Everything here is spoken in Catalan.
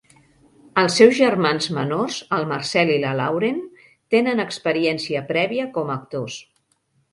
Els seus germans menors, el Marcel i la Lauren, tenen experiència prèvia com a actors.